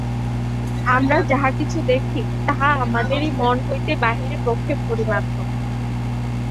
আমরা যাহা কিছু দেখি, তাহা আমাদেরই মন হইতে বাহিরে প্রক্ষেপ করি মাত্র।